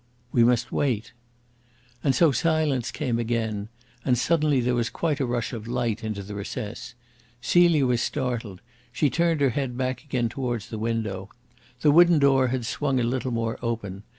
"We must wait." And so silence came again, and suddenly there was quite a rush of light into the recess. Celia was startled. She turned her head back again towards the window. The wooden door had swung a little more open.